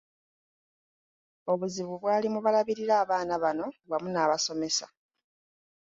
Obuzibu bwali mu balabirira abaana bano wamu n’abasomesa.